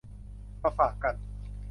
มาฝากกัน